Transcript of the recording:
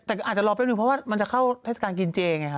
แต่ก็อาจจะรอแป๊บนึงเพราะว่ามันจะเข้าเทศกาลกินเจไงฮ